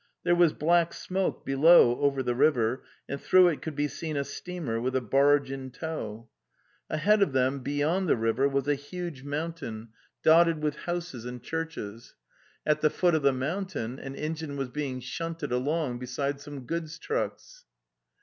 There was black smoke below over the river, and through it could be seen a steamer with a barge intow. Ahead of them, beyond the river, was a huge mountain The Steppe 285 dotted with houses and churches; at the foot of the mountain an engine was being shunted along beside some goods trucks.